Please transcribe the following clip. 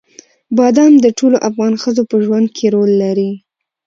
بادام د ټولو افغان ښځو په ژوند کې رول لري.